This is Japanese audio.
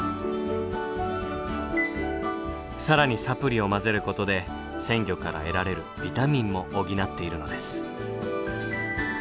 更にサプリを混ぜることで鮮魚から得られるビタミンも補っているのです。